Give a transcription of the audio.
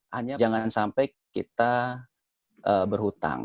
hanya jangan sampai kita berhutang